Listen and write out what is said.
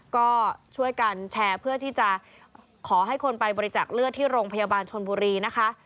ก็ช่วยกันแชร์เพื่อที่จะขอให้คนไปบริจักษ์เลือดที่โรงพยาบาลชนบุรีนะคะ